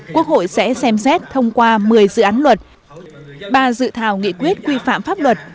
quốc hội sẽ xem xét thông qua một mươi dự án luật ba dự thảo nghị quyết quy phạm pháp luật